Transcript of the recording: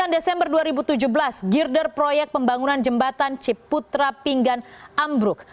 sembilan desember dua ribu tujuh belas girder proyek pembangunan jembatan ciputra pinggan ambruk